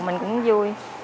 mình cũng vui